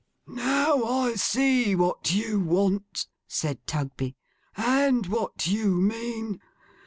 'Now I see what you want,' said Tugby; 'and what you mean.